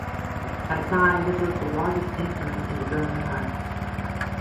At the time this was the largest instrument in the German Empire.